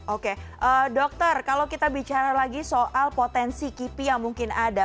oke dokter kalau kita bicara lagi soal potensi kipi yang mungkin ada